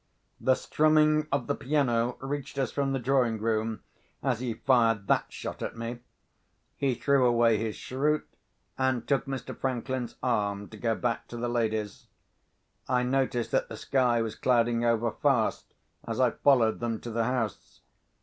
The strumming of the piano reached us from the drawing room, as he fired that shot at me. He threw away his cheroot, and took Mr. Franklin's arm, to go back to the ladies. I noticed that the sky was clouding over fast, as I followed them to the house.